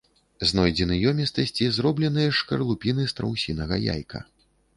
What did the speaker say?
Знойдзены ёмістасці, зробленыя з шкарлупіны страусінага яйка.